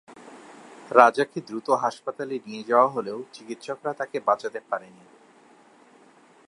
রাজাকে দ্রুত হাসপাতালে নিয়ে যাওয়া হলেও চিকিৎসকরা তাকে বাঁচাতে পারেনি।